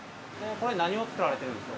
これ何を作られてるんですか？